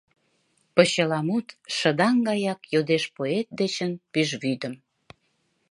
Почеламут, шыдаҥ гаяк, йодеш поэт дечын пӱжвӱдым.